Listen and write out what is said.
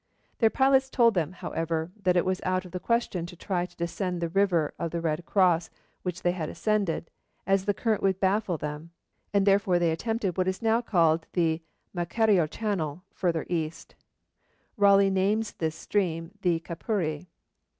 Their pilots told them, however, that it was out of the question to try to descend the River of the Red Cross, which they had ascended, as the current would baffle them; and therefore they attempted what is now called the Macareo channel, farther east. Raleigh names this stream the Capuri.